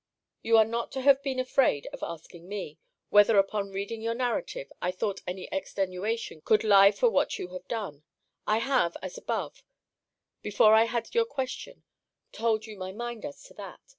You need not to have been afraid of asking me, Whether upon reading your narrative, I thought any extenuation could lie for what you have done! I have, as above, before I had your question, told you my mind as to that.